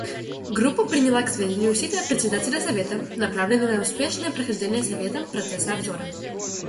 Группа приняла к сведению усилия Председателя Совета, направленные на успешное прохождение Советом процесса обзора.